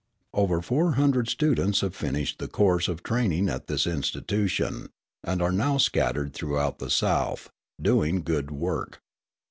Over four hundred students have finished the course of training at this institution, and are now scattered throughout the South, doing good work.